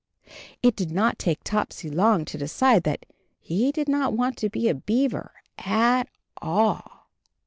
It did not take Topsy long to decide that he did not want to be a beaver at all.